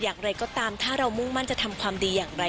อย่างไรก็ตามถ้าเรามุ่งมั่นจะทำความดีอย่างไร